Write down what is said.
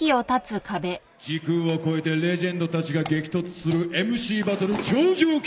時空を超えてレジェンドたちが激突するＭＣバトル頂上決戦。